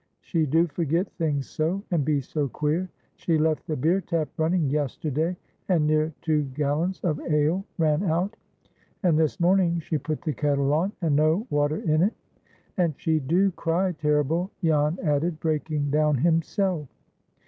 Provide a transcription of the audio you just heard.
"She do forget things so, and be so queer. She left the beer tap running yesterday, and near two gallons of ale ran out; and this morning she put the kettle on, and no water in it. And she do cry terrible," Jan added, breaking down himself.